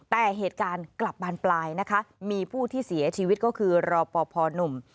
แต่เหตุการณ์กลับบานปลายนะคะมีผู้ที่เสียชีวิตก็คือรอปภหนุ่ม